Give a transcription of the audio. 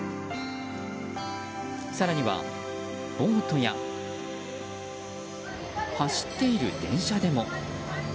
更には、ボートや走っている電車でも。